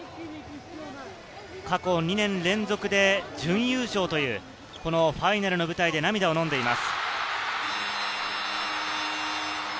過去２年連続で準優勝という、このファイナルの舞台で涙をのんでいます。